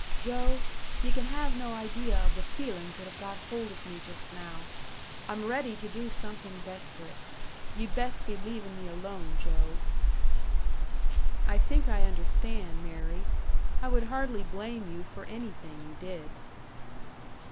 "Joe, ye can have no idea of the feelin's that have got hold of me just now. I'm ready to do something desperate; ye'd best be leavin' me alone, Joe!" "I think I understand, Mary. I would hardly blame you for anything you did."